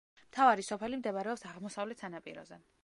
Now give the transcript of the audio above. მთავარი სოფელი მდებარეობს აღმოსავლეთ სანაპიროზე.